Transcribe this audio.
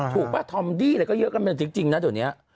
ถูกว่าทำดีอะไรก็เยอะกันเป็นสิ่งจริงนะตอนนี้